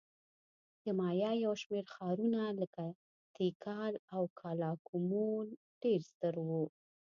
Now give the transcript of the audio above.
د مایا یو شمېر ښارونه لکه تیکال او کالاکمول ډېر ستر وو